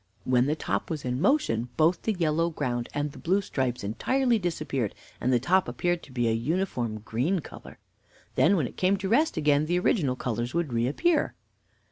When the top was in motion, both the yellow ground and the blue stripes entirely disappeared, and the top appeared to be of a uniform green color. Then, when it came to its rest again, the original colors would reappear."